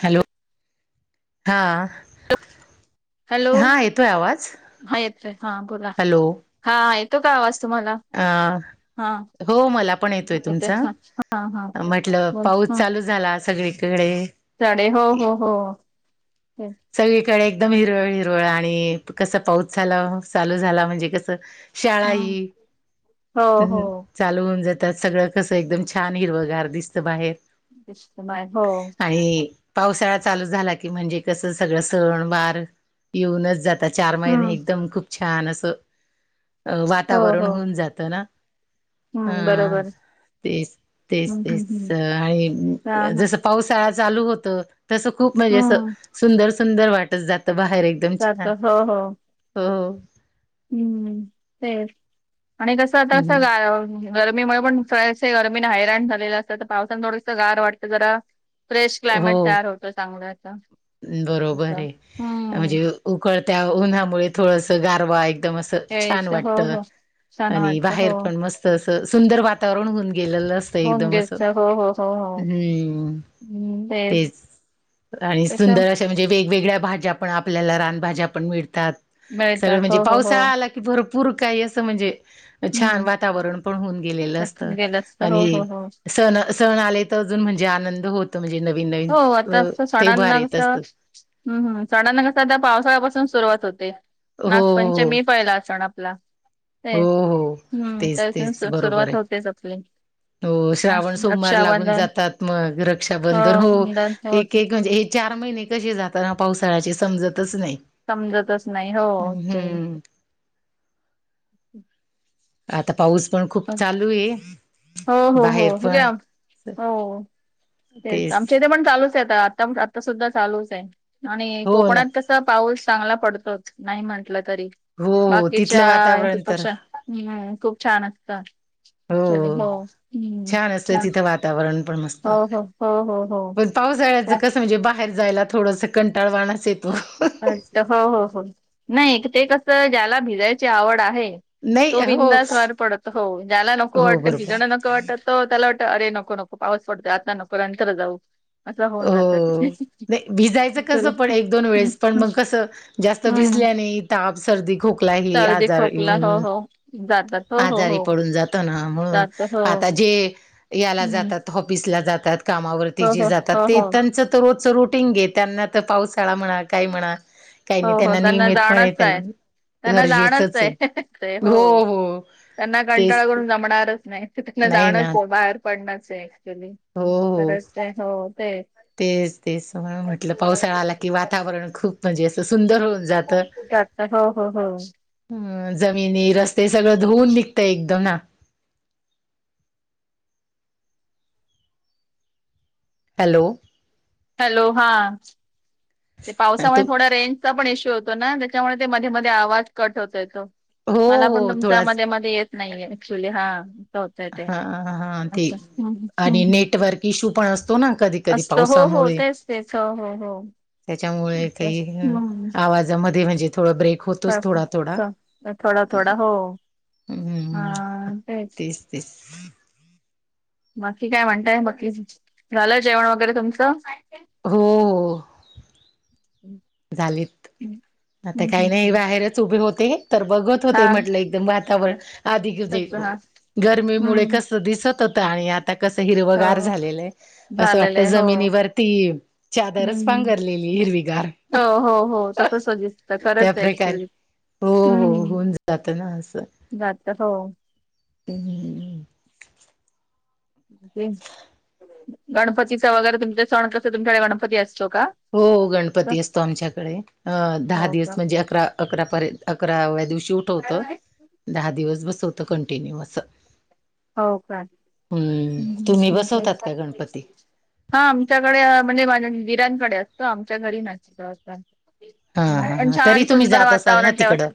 Hello हां. Hello हां येतोय आवांज हॅलो हां येतो कां आवांज तुम्हांला आं हो मलां पणं येतोय तुमचां हा हा हा म्हटलं बोल पाऊस ह चालू झाला सगळीकडे. साडे हो हो हो. सगळीकडे एकदम हिरवळ हिरवळ आहे. कसं पाऊस झाला चालू झाला म्हणजे कसं? शाळा ही हम् हो ह हो ह चालू होऊन जातात सगळं कसं एकदम छान हिरवं गार दिसतं बाहेर. दिसत नाही हो. आणि पावसाळा चालू झाला की म्हणजे कसं सगळं सण वार येऊनच जात तात चार महिने हम्म एकदम खूप छान असं हो वातावरण हो होऊन जातं ना? हा हम्म बरोबर तेच, तेच, हम्म हम्म तेच हम्म हा आहे हा जस पाऊस शळा चालू होत तस खूप म्हणजे हम्म सुंदर सुंदर वाटत जात बाहेर. एकदम जात छान हो हो हो हो. हम्म तेच आणि कसं आता हम्म. सगळं [unintelligible] गरमीमुळे पण सगळे असे गर्मीने हैराण झालेलं असतात तर पावसान थोडस गार वाटतं जरा फ्रेश क्लायमेट हो तयार होतं चांगलं असं. बरोबर आहे म्हणजे उकळत्या उन्हामुळे थोडस गारवा आहे. एकदम अस छान त्यावेळेच वाटत हो हो छान आणि वाटत हो बाहेर पण मस्त. तस सुंदर वातावरण होऊन गेलेलं अस ते होम एकदम असं गेस्ट हो हो हो हो हम्म हम्म ते तेच. आणि तस सुंदर अशा म्हणजे वेगवेगळ्या भाज्या पण आपल्याला रानभाज्या पण मिळतात. सगळं मिळतात म्हणजे हो हो हो पावसाळा आला की भरपूर काही असं म्हणजे छान हम्म वातावरण पण होऊन गेलेलं असतं तसं गेलं असत हो हो आणि हो सण सण आले तर अजून म्हणजे आनंद होतो म्हणजे नवीन नवीन ते बार येत. असत तर हम हम झाडांना कसं त्या पावसाळ्यापासून सुरुवात होते. हो हो नागपंचमी पहिला सण आपला ते हो हो हम्म तेच तेच त्यापासून बरोबर सुरुवात आहे. होतेच आपली. हो श्रावण नाग- सोमवार लागून रक्षाबंधन जातात मग रक्षाबंधन हो. हो एक एक म्हणजे हे चार महिने कसे जातात पावसाळ्याचे समजतच नाही. समजतच नाही हो. हम्म हम. आता पाऊस पण खूप चालू आहे. हो हो हो बाहेर हे पण घ्या हो. तेच आमच्या इथे पण चालूच आहे आता, आता सुद्धा चालूच आहे आणि हो ना कोकणात तर तर पाऊल चांगला पडतोच नाही म्हंटलं तरी हो तिथलं बाकीच्या वातावरण तर पक्षा हम् खूप छान असतं. चले हो हम् छान असतं तिथं वातावरण पण मस्त हो हो हो हो हो. पण पावसाळ्याचं तेच. कसं म्हणजे बाहेर जायला थोडंसं कंटाळवाणस येतो. असतं हो हो हो नाही. ते कसं? ज्याला भिजायची आवड आहे. नाही तो हो बिंदास बाहेर पडतो. हो ज्याला नको हो वाटतं बरोबर भिजणं नको वाटत तो त्याला वाटत अरे नको नको पाऊस पडतो आत्ता नको नंतर जाऊ. असं होऊन जात. हो नाही भिजायचं चल कसं पण एक दोन वेळेस पण मग कसं जास्त हम्म भिजल्या ने ताप, सर्दी, खोक कला हे सर्दी आजार खोकला हो येऊन हो जातात हो हो आजारी हो पडून जातो ना म्हणून जात हो आता जे याला हम्म जातात हॉपिसला जातात कामावरती हो जे हो जातात. हो हो त्यांच तर रोजच रुटींग हे त्यांना तर पावसाळा म्हणा, काय म्हणा. काही नाही हो हो त्यांना नियमितपणे जाणंच त्यां आहे. त्यांना जाणंच आहे हो त्यांना तेच कंटाळा ते. करून जमणारच नाही तिथनं नाही जाणच ना बाहेर पडणंच आहे अक्च्युली हो हो खरंच हो ते तेच तेच म्हटलं पावसाळाला की वातावरण खूप म्हणजे असं सुंदर होऊन जातं हो हो हो. अ जमिनी रस्ते सगळं धुऊन निघतय एकदम ना हॅलो. हॅलो हा. ते तू पावसामुळे थोडा रेंजचा पण इश्यू होतो ना त्याच्यामुळे ते मध्ये मध्ये आवाज कट होत येतो हो मला पण हो तुमचा थोडाच मध्ये मध्ये येत नाहीये ऍक्च्युली हा होतय ते हा हा ते अच्छा हम्म आणि नेटवर्क इश्यू पण असतो ना कधी कधी असतं हो हो पावसामुळे तेच तेच हो हो हो. त्याच्यामुळे काही असतं. हम्म. आवाजामध्ये म्हणजे मध्ये थोडं ब्रेक. होतोच असं, थोडा थोडा. असं. थोडा थोडा हो हम्म हा हम्म तेच तेच. बाकी काय म्हणताय बाकी झालं जेवण वगैरे तुमचं? हो. हो. [unintelligible] झालीत आता हम्म, काही नाही हम्म. बाहेरच उभी होते तर बघत होते हा म्हटलंय एकदम वातावरण आधी कसे त्याच हा गर्मीमुळे हम्म कस दिसत होतं आणि आ आता कसं हिरवगार हो झालेलं आहे. असं झालेलं वाटतं आहे हो जमिनीवरती चादरच हम्म पांघरलेली हे हिरवीगार. हो हो हो तसंच सजेच. त्या प्रकारे हो हो हम्म होऊन जातं ना असं. जात हो हम्म. गणपतीच वगैरे तुमचे सण कसं तुमच्याकडे गणपती असतो का? हो गणपती असतो आमच्याकडे अ दहा हो दिवस का म्हणजे अकरा. अकरापर्यंत अकराव्या दिवशी उठवतो हो दहा दिवस बसवतो कंटिन्यू असं. हो का. हम्म तुम्ही बसवतात का गणपती हा आमच्याकडे म्हणजे माझ्या दिरांकडे असतो आमच्या घरी नसतो अस हा पण हा तरी छान तुम्ही सुंदर जात असाल ना वातावरण तेव्हा तिकडं असं.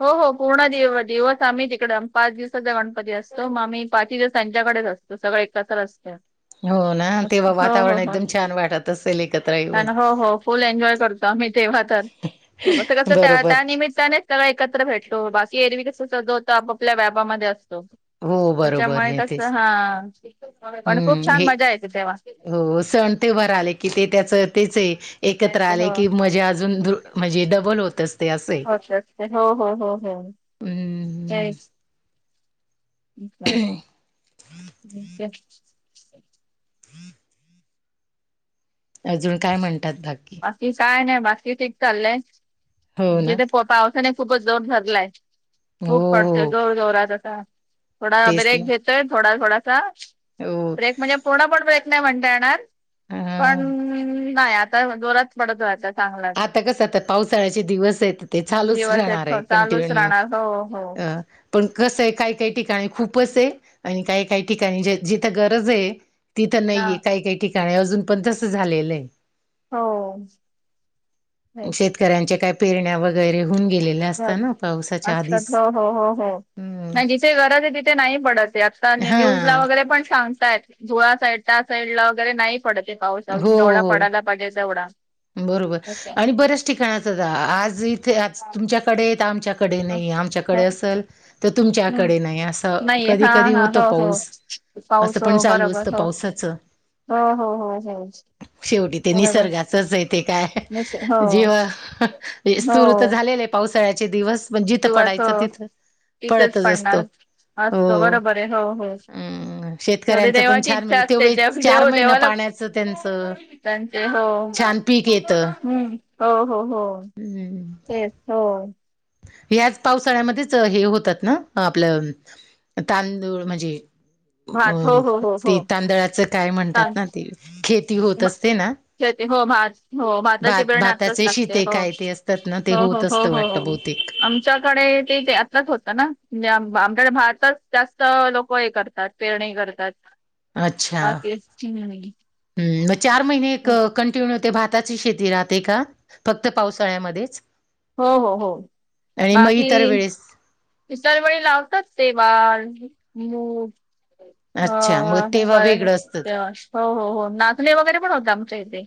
हो हो पूर्ण दिव दिवस आम्ही तिकडं पाच दिवसाचा गणपती असतो मग. आम्ही पाचही दिवस त्यांच्याकडेच असतो सगळे एकत्र असतात. हो ना तेव्हा हो वातावरण हो एकदम छान वाटत असेल एकत्र हो येऊन हो हो फुल एन्जॉय करतो. आम्ही तेव्हा तर ते कसं त्या बरोबर त्या निमित्ताने सगळे एकत्र भेटतो बाकी एरवी कसं जो तो आपापल्या व्यापामध्ये असतो. हो बरोबर त्याच्यामुळे हे कसं तेच हा पण खूप हम्म छान हे मजा येते तेव्हा. हो सण ते वार आले की ते त्याच तेच आहे. एकत्र त्याचे आले हो की मज्जा अजून द म्हणजे डबल होत असते असं आहे. होत असते हो हो हो हो हम्म, काहीच. [unintelligible] अजून काय म्हणतात बाकी? बाकी काय नाही बाकी ठीक चाललंय हो ना, जिथे पावसा इथे ना खूपच जोर धरलायं हो खूप पडतोय हो जोर जोरात असा थोडा तेच ब्रेक ना. घेत तोय थोडा थोडासा हो ब्रेक म्हणजे पूर्ण पण ब्रेक नाही म्हणता येणार. अ पण नाही आता जोरात पडतो आता. चांगला आता कसं आता पावसाळ्याचे दिवस आहेत ते चालूच दिवस राहणार एक आहे चालूच कंटिन्यू. राहणार हो. हा. अ पण कसं आहे काय काही ठिकाणी खूपच आहे काय काही ठिकाणी जिथं गरज आहे. तिथं हा नाहीये काही काही ठिकाणी अजून पण तसं झालेलं आहे. हो. नाही शेतकऱ्यांच्या काय पेरण्या वगैरे होऊन गेले. बस, असतात हो हो हो हो. हम्म, नाही जिथे गरज आहे तिथे नाही पडतं आहे आता हा न्यूज ला वगैरे पण सांगतायेत. धुळा साईडला त्या साईड ला वगैरे नाही पडतं आहे. पाऊस हो जेवढा हो पडायला पाहिजे तेवढा. काही ठिकाणी आज इथे आज तुमच्याकडे तर आमच्याकडे नाही आमच्याकडे असलं. तर तुमच्याकडे नाही असं नाही कधी- हा कधी हा होतं हो हो पाऊस असं पण चालू असतं पावसात. चं? हा ह ह हच. शेवटी ते निसर्गाचच आहे ते काय निश्चित. हो जीव सुरू तर हो झालेले आहे. पावसाळ्याचे दिवस म्हणज जिथं पडायचं तिथं. तिथं चं पडतच असतो. पडणार. असतं हो. बरोबर आहे हो हो अं तेवढी शेतकऱ्यांचं पण देवाची इच्छा असते जेव्हा देवलाचं. त्यांच छान पीक येत. हम्म हो हो हो तेचं हो. याचं पावसाळ्यामध्येच हे होतात ना आपलं तांदूळ म्हणजे भात हो अ- हो हो हो ते तांदळाचं काय म्हणतात ना तांदते ते खेती होत असते ना हो भात हो भाताची बिरण आत्ताच भाताचे लागते हो शेत असतात ना ते हो हो होत हो असतं हो हो वाटतं. किती [inaudible] आमच्याकडे ते त्यातलंच होतं ना म्हणजे आमच्याकडे भातच जास्त लोक हे करतात. पेरणी करतात बाकी [inaudible] ह् मग चार महिने एक कंटिन्यू ते भाताची शेती राहते का फक्त पावसाळ्यामध्येच? हो हो हो आणि म बाकी तर वेळेस. इतर वेळी लावतात तेवा मूग अच्छा मग हो तेव्हा वेगळं असतं ब हो हो हो नाचणे वगैरे पण होते आमच्या इथे.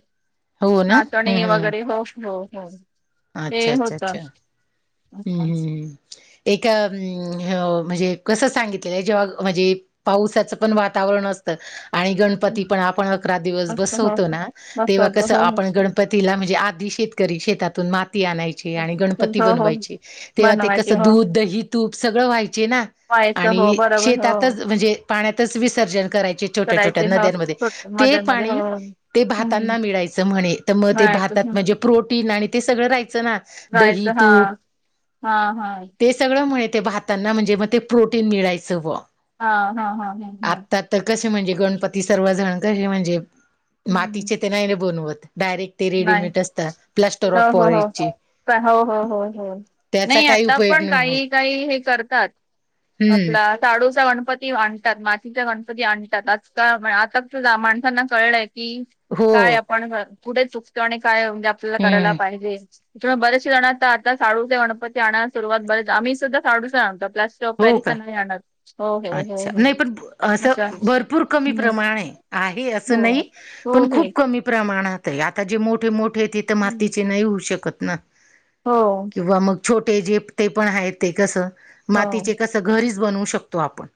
हो ना हम्म नाचणी हम्म वगैरे हो हो हो. अच्छा, अच्छा, अच्छा. नम का [inaudible] हम् एक म्हणजे कसं सांगितलेलं आहे जेव्हा म्हणजे पावसाचं पण वातावरण असतं आणि गणपती पण आपण अकरा दिवस हो बसवतो ना मस्त तेव्हा होत कसं हो आपण गणपतीला म्हणजे आधी शेतकरी शेतातून माती आणायची आणि गणपती हो हो बनवाय चे तेव्हा ते बनवायचे कसं हो दूध दही तूप सगळं व्हायचे ना. व्हायचं हो आणि बरोबर हो शेतातच म्हणजे पाण्यातचं विसर्जन करायचे छोट्या- छोट्या करायचे हो नद्यांमध्ये. छोट ते मध्ये मध्ये हो पाणी ते हम्म भातांना मिळायचं म्हणे तर मग ते जायचं भातात म्हणजे प्रोटीन आणि ते सगळं राहायचं ना. दही जायचं हा तूप हा हा. ते सगळं माहिती हाय भातांना म्हणजे, मग ते प्रोटीन मिळायचं व हां हां हां हां हं. आता तर कसे म्हणजे गणपती सर्वजण कसे, म्हणजे मातीचे ते नाही बनवत डायरेक्ट ते नाही रेडीमेड असतात. प्लास्टर ऑफ पॉरीज चे काय? हो हो हो. नाही काही आता उपयोग पण नाही होत काही काही हे करतात. हम्म आपला शाडूचा गणपती आणतात, मातीचा गणपती आणतात. आजकाल आता माणसांना कळलंय की? काय हो आपण कुठे चुकतो? आणि काय म्हणजे आपल्याला करायला हम्म पाहिजे? इकडे बरेचसे जण आता शाडूचा गणपती आणाय सुरुवात, बरच आम्ही सुद्धा शाडूचा आणतो. प्लास हो का? अच्छा? हो नाही पण अशा असं भरपूर कमी हम्म, प्रमाणे आहे. आहे हो असं नाही. हो पण हे खूप कमी प्रमाणात ते आता जे मोठे मोठे ते तर हम्म, मातीचे नाही होऊ शकत ना? हो. किंवा मग छोटे जे ते पण आहेत. ते कसं हो मातीचे कसं घरीच बनवू शकतो आपण.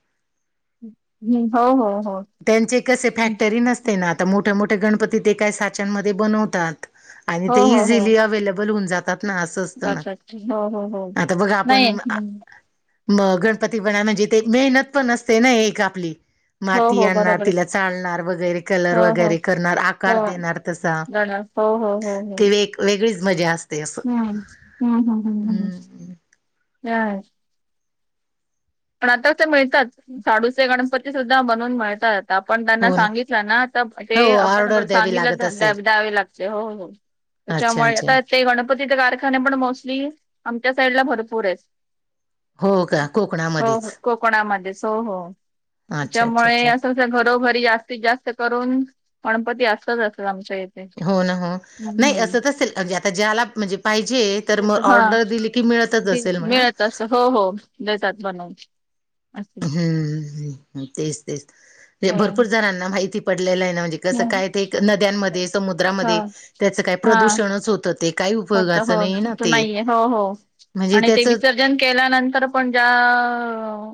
हम्म, हो हो हो त्यांचे कसे हम्म, फॅक्टरी नसते ना? तर मोठे मोठे गणपती ते काय साच्यांमध्ये बनवतात. आणि हो ते हो हो इझीली अवे्लेबल होऊन जातात. ना असं असत ना, अच्छा अच्छा. हो हो हो आता बघ नाही आपण हम्म, मग गणपती बनावं म्हणजे, ते मेहनत पण असते ना एक आपली. हो माती हो आणणार, बरोबर आहे. तिला चालणार वगैरे, कलर हो हो वगैरे करणार आकार हो देणार तसा गणस हो हो हो हो. ती एक वेगळीच मजा अस हं हं हं हं हम्म ह. वाटेल ते मिळतात. शाडूचे गणपती सुद्धा बनवून माहितेत. ते आपण त्यांना सांगितलं, ना तर ते हो ऑर्डर आपण द्यावी सांगीतल लागत असेल द्यावे लागते. हो हो. अच्छा त्याच्यामुळे अच्छा आताच ते गणपतीचे कारखाने पण मोस्टली आमच्या साईड ला भरपूर आहेत. हो का? कोकणा हो हो कोकणामध्येच. हो हो अच्छा अच्छा तिच्यामुळे अच्छा असं घरोघरी जास्तीत जास्त करून गणपती असतच, अस आमच्या इथ हो ना हो. नाही असं असेल, जे आता ज्याला म्हणजे पाहिजे तर ते मग हा ऑर्डर दिली की मिळतच दे- असेल म्हणा. मिळत असं हो हो. देतात बनवून अस हं हं. तेच तेच ते भरपूर हो जणांना माहिती पडलेल आहे ना म्हणजे कस हो काय? ते नद्यांमध्ये, समुद्रामध्ये त्याच काय हा प्रदूषणच होत ते काही होत हो. उपयोगाचं नाही ना इथ ते. नाहीये. हो हो. म्हणजे आणि ते त्याचं विसर र्जन केल्यानंतर, पण ज्या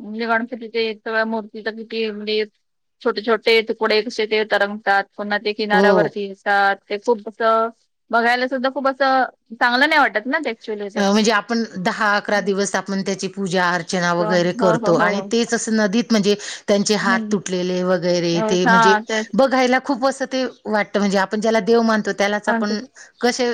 म्हणजे गणपतीचे सगळ्या मूर्तीचा किती म्हणजे? छोटे छोटे तुकडे कसे ते तरंगतात. पुन्हा ते हो. किनाऱ्यावरती येतात. ते खूप अस बघायला सुद्धा खूप अस तर, चांगलं नाही वाटत ना ते? ऍक्च्युली ते अं म्हणजे, आपण दहा अकरा दिवस आपण त्याची पूजा अर र्चना हो वगैरे हो हो करतो. आणि हो तेच अस नदीत म्हणजे, त्यांचे हात हम्म. तुटलेले वगैरे ते एवढं- म्हणजे हा तेच बघायला खूप असं ते वाटत, म्हणजे आपण ज्याला देव मानतो त्यालाच हा, आपण तेच. कसे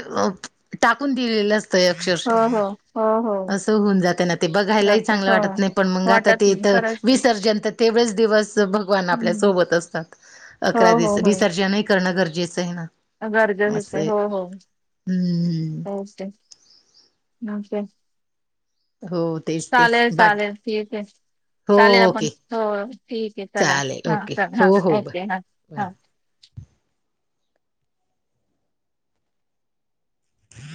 टाकून दिलेलं असतं. हो अक्षरशः हो हो हो असं होऊन जाते ना. ते बघायलाही जात चांगलं हो वाटत नाही. पण मग आता वाटत नाही तिथं खरंच आहे विसर्जन तर तेवढच दिवस जो भगवान हम्म. आपल्यासोबत असतात. हो हो दिवस हो विसर्जनही करणं गरजेचं आहे ना गरजेच आहे. हो हो हं, हं. ह [unintelligible] हो तेच, तेच चालेल बाकी चालेल ठीक आहे. हो चालेल आपण ओके. हो ठीक आहे. चला चालेल हा ओके. चल हा हो, हो. ओक हा [unintelligible]